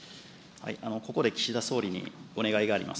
ここで岸田総理にお願いがあります。